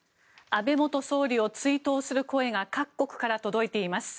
安倍元総理を追悼する声が各国から届いています。